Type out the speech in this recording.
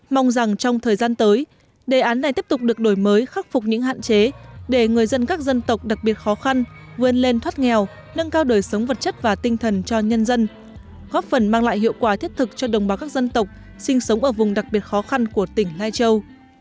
mong rằng trong thời gian tới đề án này tiếp tục được đổi mới khắc phục những hạn chế để người dân các dân tộc đặc biệt khó khăn vươn lên thoát nghèo nâng cao đời sống vật chất và tinh thần cho nhân dân góp phần mang lại hiệu quả thiết thực cho đồng bào các dân tộc sinh sống ở vùng đặc biệt khó khăn của tỉnh lai châu